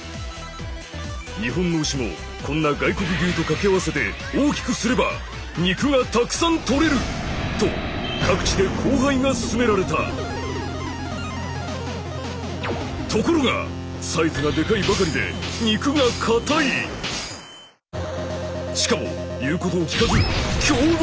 日本の牛もこんな外国牛と掛け合わせて大きくすれば肉がたくさんとれる！と各地で交配が進められたところがサイズがでかいばかりでしかも言うことを聞かず凶暴！